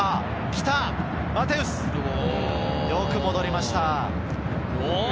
よく戻りました。